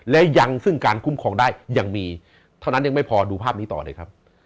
และยังซึ่งการคุ้มครองได้ยังมีเท่านั้นยังไม่พอดูภาพนี้ต่อเลยครับ